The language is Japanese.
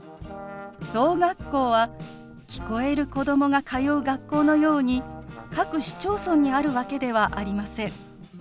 ろう学校は聞こえる子供が通う学校のように各市町村にあるわけではありません。